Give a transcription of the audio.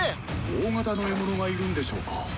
大型の獲物がいるんでしょうか？